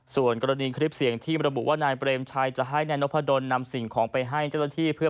ส่วนกรณีคลิปเสี่ยงที่มรมมุว่านายเบรมชัยจะให้แนนอบฐรน้ำสิ่งของไปให้เจ้าจัตย์ที่เพื่อ